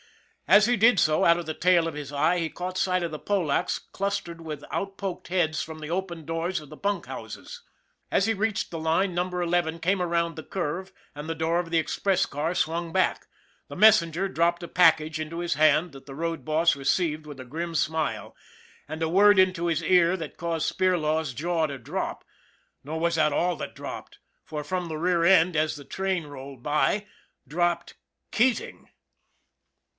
As he did so, out of the tail of his eye, he caught sight of the Polacks clustered with out poked heads from the open doors of the bunk houses. As he reached the line, Number Eleven came round the curve, and the door of the express car swung back. The messenger dropped a package into his hand that the road boss received with a grim smile, and a word into his ear that caused Spirlaw's jaw to drop nor was that all that dropped, for, from the rear end, as the train rolled by dropped Keating.